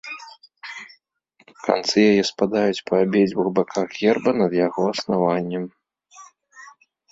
Канцы яе спадаюць па абедзвюх баках герба над яго аснаваннем.